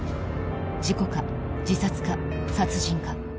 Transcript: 事故か、自殺か、殺人か。